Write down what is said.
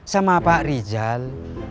sama pak rijal